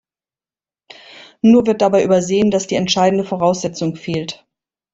Nur wird dabei übersehen, dass die entscheidende Voraussetzung fehlt.